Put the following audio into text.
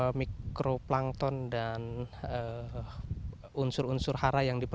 saya yakin telah k fem among players dan milik baterai yang rehat